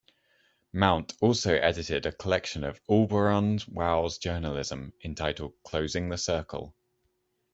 Mount also edited a collection of Auberon Waugh's journalism entitled "Closing the Circle".